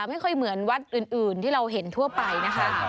ไม่ค่อยเหมือนวัดอื่นที่เราเห็นทั่วไปนะคะ